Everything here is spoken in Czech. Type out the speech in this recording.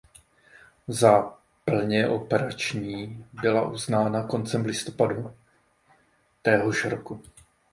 Za plně operační byla uznána koncem listopadu téhož roku.